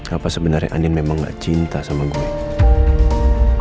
apa sebenernya andin memang gak cinta sama nino